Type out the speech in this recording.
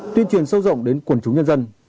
tuyên truyền sâu rộng đến quần chúng